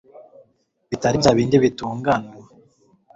bitari bya bindi bitunganywa